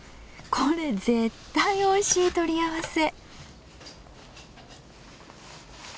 これ絶対おいしい取り合わせ！